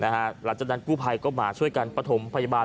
หลังจากนั้นกู้ภัยก็มาช่วยกันประถมพยาบาล